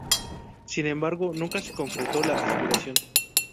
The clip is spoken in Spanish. Sin embargo, nunca se concretó la aspiración.